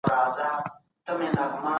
انسان باید په خپله پوهه مغرورنسي.